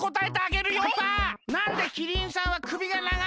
なんでキリンさんはくびがながいの？